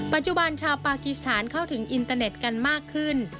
ปัจจุบันชาวปากีสถานเข้าถึงอินเตอร์เน็ตกันมากขึ้น